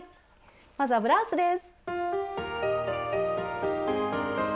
まずはブラウスです。